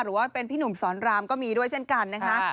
หรือว่าเป็นพี่หนุ่มสอนรามก็มีด้วยเช่นกันนะคะ